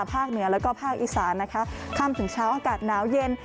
ภาคเหนือและภาคอีสานข้ามถึงเช้าอากาศน้าวเย็น